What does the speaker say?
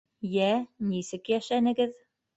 - Йә, нисек йәшәнегеҙ?